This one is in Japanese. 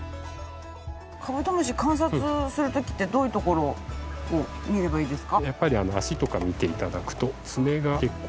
カブトムシ観察する時ってどういうところを見ればいいですか？